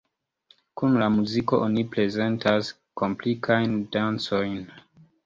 Kun la muziko oni prezentas komplikajn dancojn.